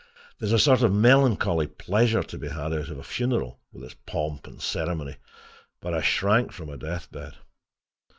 There is a sort of melancholy pleasure to be had out of a funeral, with its pomp and ceremony, but I shrank from a death bed.